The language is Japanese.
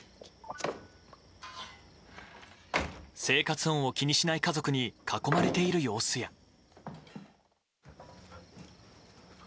生活音を気にしない家族に囲まれている様子や。